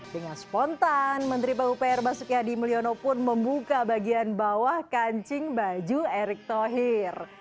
dengan spontan menteri pupr basuki hadi mulyono pun membuka bagian bawah kancing baju erick thohir